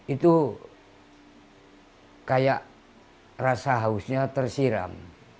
itu kayak rasa hausnya tersiram